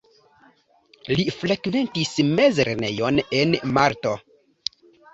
Li frekventis mezlernejon en Malto.